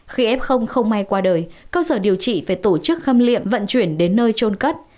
khi f không may qua đời cơ sở điều trị phải tổ chức khâm liệm vận chuyển đến nơi trôn cất